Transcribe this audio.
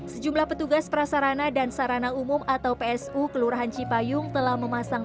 sejumlah petugas prasarana dan sarana umum atau psu kelurahan cipayung telah memasang